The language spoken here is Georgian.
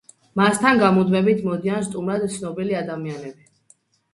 მასთან გამუდმებით მოდიან სტუმრად ცნობილი ადამიანები.